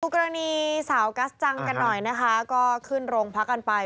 กรณีสาวกัสจังกันหน่อยนะคะก็ขึ้นโรงพักกันไป